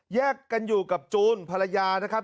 แยกกันอยู่กับจูนภรรยานะครับ